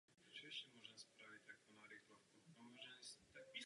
Ženskou dvouhru vyhrála Američanka Serena Williamsová.